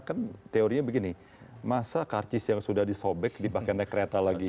kan teorinya begini masa karcis yang sudah disobek dipakai naik kereta lagi